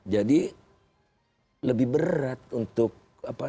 jadi lebih berat untuk apa